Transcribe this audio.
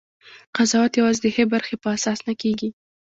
قضاوت یوازې د ښې برخې په اساس نه کېږي.